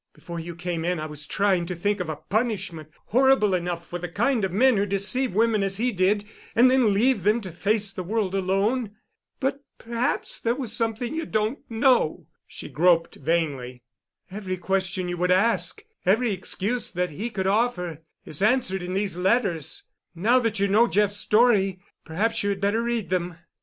Before you came in I was trying to think of a punishment horrible enough for the kind of men who deceive women as he did, and then leave them to face the world alone." "But perhaps there was something you don't know——" she groped vainly. "Every question you would ask, every excuse that he could offer, is answered in these letters. Now that you know Jeff's story perhaps you had better read them."